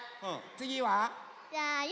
つぎは？